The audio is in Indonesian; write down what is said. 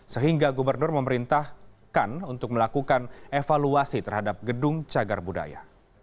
sehingga gubernur memerintahkan untuk melakukan evaluasi terhadap gedung cagar budaya